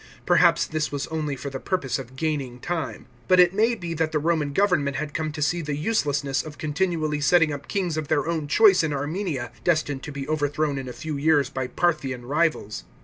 Perhaps this was only for the purpose of gaining time. But it may be that the Roman government had come to see the uselessness of con tinually setting up kings of their own choice in Armenia, destined to be overthrown in a few years by Parthian rivals.